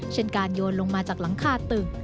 เช่นการโยนลงมาจากหลังคาตึก